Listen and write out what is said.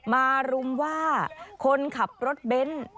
มารุมว่าคนขับรถเบ้น